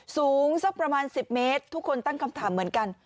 สูงสักประมาณ๑๐เมตรทุกคนตั้งคำถามเหมือนกัน